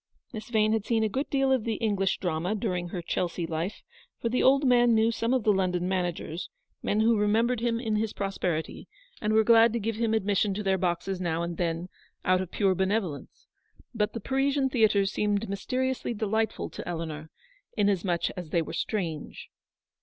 Miss Vane had seen a good deal of the English drama during her Chelsea life, for the old man knew some of the London managers, men who remembered him in his prosperity, and were glad to give him admission to their boxes now and then, out of pure benevolence. But the Parisian theatres seemed mysteriously delightful to Eleanor, inasmuch as they were strange.